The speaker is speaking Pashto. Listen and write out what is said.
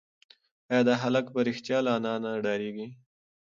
ایا دا هلک په رښتیا له انا نه ډارېږي؟